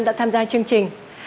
đã tham gia chương trình